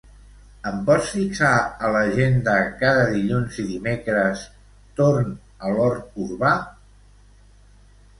Em pots fixar a l'agenda cada dilluns i dimecres "torn a l'hort urbà"?